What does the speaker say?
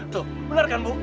tuh bener kan bu